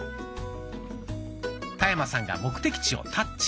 田山さんが目的地をタッチ。